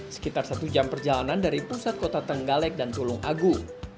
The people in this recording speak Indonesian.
sekitar satu jam perjalanan dari pusat kota tenggalek dan tulung agung